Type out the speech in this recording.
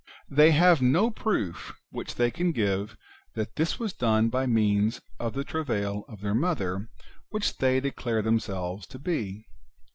They have no proof which they can give that this was done by means of the travail of their Mother, which they declare themselves to be.